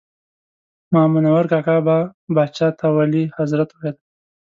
مامنور کاکا به پاچا ته ولي حضرت ویل.